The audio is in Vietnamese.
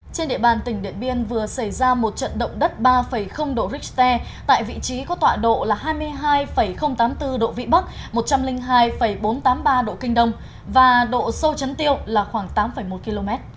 trên địa bàn tỉnh điện biên vừa xảy ra một trận động đất ba độ richter tại vị trí có tọa độ là hai mươi hai tám mươi bốn độ vĩ bắc một trăm linh hai bốn trăm tám mươi ba độ kinh đông và độ sâu chấn tiêu là khoảng tám một km